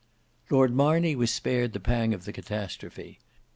Lord Marney was spared the pang of the catastrophe.